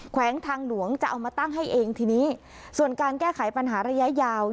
วงทางหลวงจะเอามาตั้งให้เองทีนี้ส่วนการแก้ไขปัญหาระยะยาว